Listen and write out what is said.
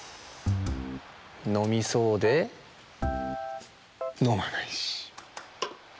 のみそうでのまないし。